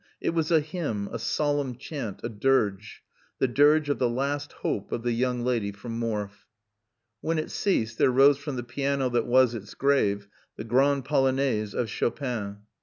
It was a hymn, a solemn chant, a dirge. The dirge of the last hope of the young lady from Morfe. When it ceased there rose from the piano that was its grave the Grande Polonaise of Chopin.